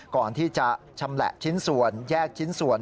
ก่อนที่จะชำแหละชิ้นส่วนแยกชิ้นส่วน